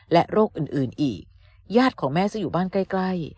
และโรคอื่นอื่นอีกญาติของแม่ซื้ออยู่บ้านใกล้ใกล้